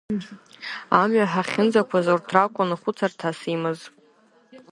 Амҩа ҳахьынӡақәыз урҭ ракәын хәыцырҭас имаз.